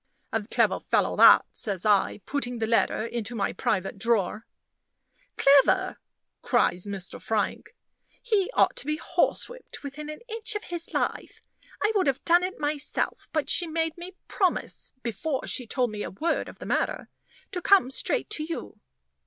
"A clever fellow that," says I, putting the letter into my private drawer. "Clever!" cries Mr. Frank, "he ought to be horsewhipped within an inch of his life. I would have done it myself; but she made me promise, before she told me a word of the matter, to come straight to you."